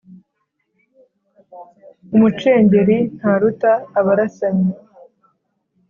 umucengeli ntaruta abarasanyi